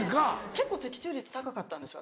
結構的中率高かったんですよ